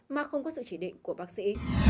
mà không có sự chỉ định của bác sĩ